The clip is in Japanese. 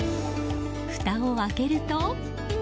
ふたを開けると。